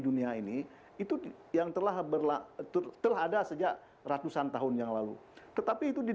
dunia ini itu yang telah berlaku telah ada sejak ratusan tahun yang lalu tetapi itu di